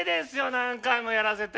何回もやらせて。